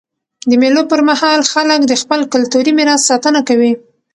د مېلو پر مهال خلک د خپل کلتوري میراث ساتنه کوي.